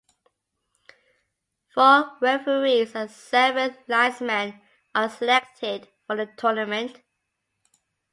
Four referees and seven linesmen are selected for the tournament.